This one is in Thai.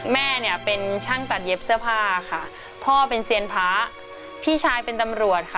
แม่เนี่ยเป็นช่างตัดเย็บเสื้อผ้าค่ะพ่อเป็นเซียนพระพี่ชายเป็นตำรวจค่ะ